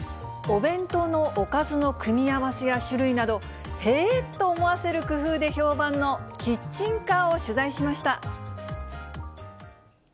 お弁当のおかずの組み合わせや種類など、へーと思わせる工夫で評判のキッチンカーを取材しました。